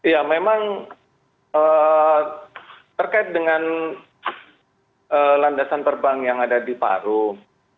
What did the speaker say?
ya memang terkait dengan landasan terbang yang ada di parung